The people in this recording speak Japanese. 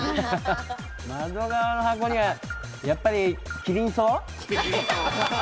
窓側の箱には、やっぱりキリンソウ？